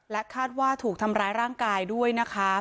คาดว่าถูกทำร้ายร่างกายด้วยนะคะ